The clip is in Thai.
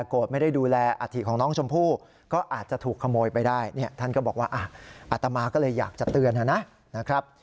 ไม่ได้ดูแลอาถิของน้องชมพู่ก็อาจจะถูกขโมยไปได้เนี่ยท่านก็บอกว่าอัตมาก็เลยอยากจะเตือนนะครับ